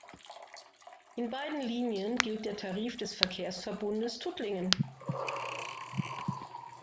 In beiden Linien gilt der Tarif des Verkehrsverbundes Tuttlingen.